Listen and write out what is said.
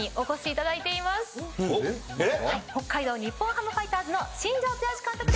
北海道日本ハムファイターズの新庄剛志監督です。